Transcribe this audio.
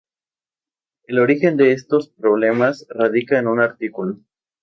El origen de estos problemas radica en un artículo